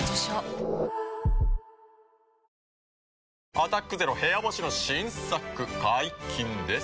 「アタックＺＥＲＯ部屋干し」の新作解禁です。